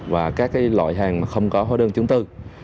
và các loại hàng không có hóa đơn chứng tư